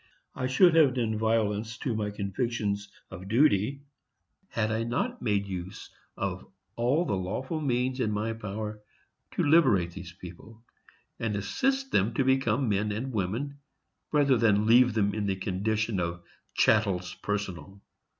_ I should have done violence to my convictions of duty, had I not made use of all the lawful means in my power to liberate those people, and assist them to become men and women, rather than leave them in the condition of chattels personal.